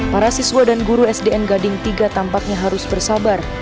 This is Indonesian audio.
para siswa dan guru sdn gading tiga tampaknya harus bersabar